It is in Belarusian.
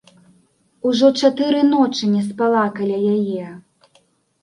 Ужо чатыры ночы не спала каля яе.